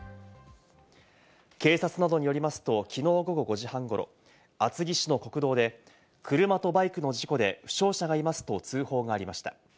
警察などによりますと、きのう午後５時半ごろ、厚木市の国道で車とバイクの事故で負傷者がいますと通報がありました。